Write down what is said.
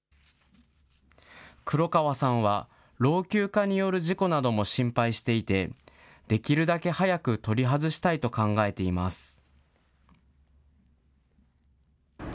黒川さんは、老朽化による事故なども心配していて、できるだけ早く取り外したいと考えています。